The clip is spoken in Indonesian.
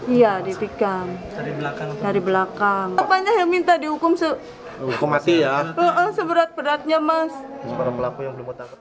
iya ditikam dari belakang